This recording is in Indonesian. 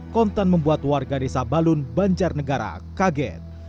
kontan membuat warga desa balun banjarnegara kaget